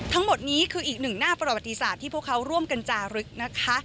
ทั้งหมดนี้คืออีกหนึ่งหน้าประวัติศาสตร์ที่พวกเขาร่วมกันจารึกนะคะ